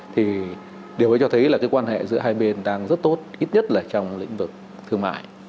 thì điều ấy cho thấy là cái quan hệ giữa hai bên đang rất tốt ít nhất là trong lĩnh vực thương mại